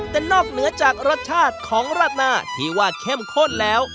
แต่นอกเหนือจากรสชาติของราดหน้าที่ว่าเข้มข้นแล้ว